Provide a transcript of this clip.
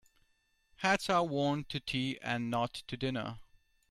Hats are worn to tea and not to dinner.